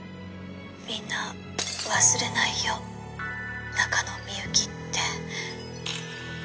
「“みんな忘れないよ中野幸”って」